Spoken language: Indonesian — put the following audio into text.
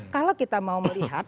kalau kita mau melihat